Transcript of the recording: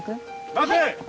待て！